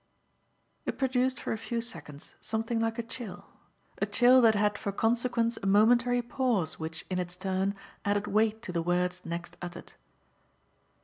It produced for a few seconds something like a chill, a chill that had for consequence a momentary pause which in its turn added weight to the words next uttered.